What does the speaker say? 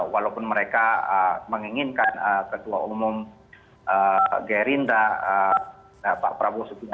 walaupun mereka menginginkan ketua umum gerinda pak prabowo